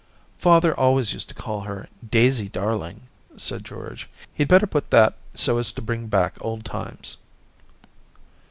* Father always used to call her Daisy darling,' said George ;' he'd better put that so as to bring back old times.'